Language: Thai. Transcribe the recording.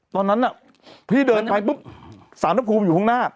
ตอนนั้นน่ะพี่เดินไปบุ๊บ๓รกภูมิอยู่ครึ่งหน้า